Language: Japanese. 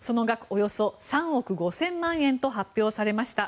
およそ３億５０００万円と発表されました。